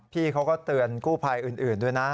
พี่เขาก็เตือนกู้ภัยอื่นด้วยนะ